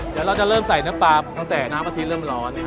เดี๋ยวเราจะเริ่มใส่เนื้อปลาตั้งแต่น้ำกะทิเริ่มร้อน